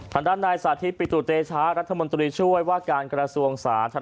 ทางด้านนายสาธิตปิตุเตชะรัฐมนตรีช่วยว่าการกระทรวงสาธารณ